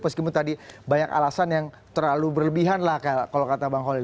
meskipun tadi banyak alasan yang terlalu berlebihan lah kalau kata bang holil